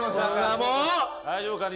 大丈夫か？